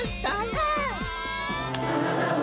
うん！